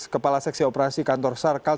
kepala seksi operasi kantor sarkal